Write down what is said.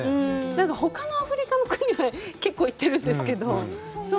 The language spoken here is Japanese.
ほかのアフリカの国は結構、行ってるんですけど。